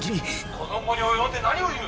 「この期に及んで何を言う！」。